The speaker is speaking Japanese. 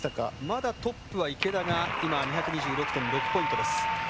まだトップは池田が今、２２６．６ポイントです。